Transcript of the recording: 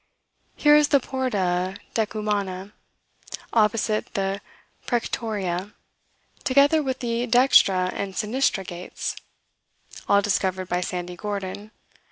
... Here is the Porta Decumana, opposite the Prcetoria, together with the dextra and sinistra gates," all discovered by Sandy Gordon.